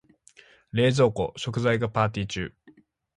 冷蔵庫、食材がパーティ中。